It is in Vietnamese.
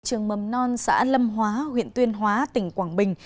trường mầm non xã lâm hóa huyện tuyên hóa tỉnh quảng bình